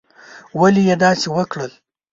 ولي یې داسي وکړل؟